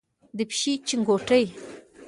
د پیشۍ چنګوټی،